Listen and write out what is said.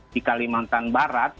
di kalimantan barat